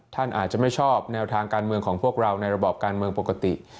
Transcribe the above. ท่านอาจจะไม่ชอบแนวทางการเมืองของพวกเราในระบอบการเมืองปกติ